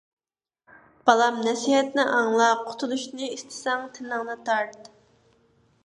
بالام نەسىھەتنى ئاڭلا، قۇتۇلۇشنى ئىستىسەڭ، تىلىڭنى تارت.